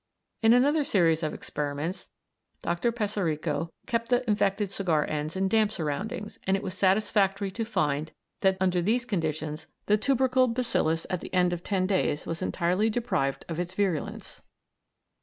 In another series of experiments Dr. Peserico kept the infected cigar ends in damp surroundings, and it was satisfactory to find that under these conditions the tubercle bacillus at the end of ten days was entirely deprived of its virulence.